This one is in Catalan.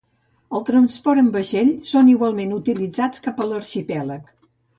El transport en vaixell són igualment utilitzats cap a l'arxipèlag.